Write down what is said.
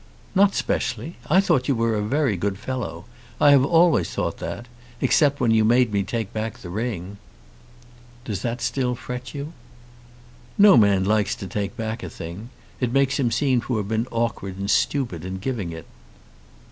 "Not especially. I thought you were a very good fellow. I have always thought that; except when you made me take back the ring." "Does that still fret you?" "No man likes to take back a thing. It makes him seem to have been awkward and stupid in giving it."